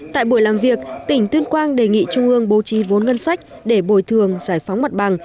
tại buổi làm việc tỉnh tuyên quang đề nghị trung ương bố trí vốn ngân sách để bồi thường giải phóng mặt bằng